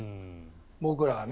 僕らはね。